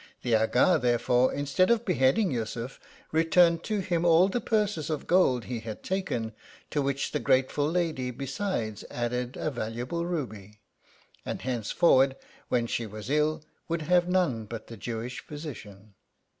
The Aga, therefore, instead of beheading Yussuf, returned to him all the purses of gold he had taken ; to which the grateful lady, besides, added a valuable ruby ; and, thenceforward, when she was ill, would have none but the Jewish physician.